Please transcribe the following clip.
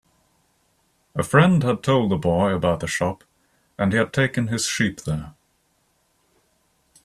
A friend had told the boy about the shop, and he had taken his sheep there.